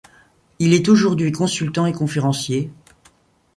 Il est aujourd'hui consultant et conférencier.